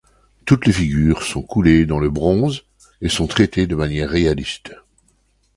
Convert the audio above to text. Toutes les figures sont coulées dans le bronze et sont traitées de manière réaliste.